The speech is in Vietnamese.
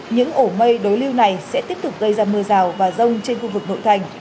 những ổ mây đối lưu này sẽ tiếp tục gây ra mưa rào và rông trên khu vực nội thành